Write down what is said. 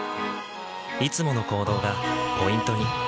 いつもの行動がポイントに。